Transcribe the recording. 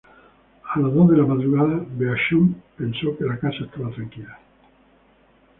A las dos de la madrugada, Beauchamp pensó que la casa estaba tranquila.